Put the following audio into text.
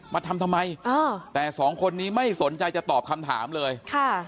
มาทำทำไมอ่าแต่สองคนนี้ไม่สนใจจะตอบคำถามเลยค่ะ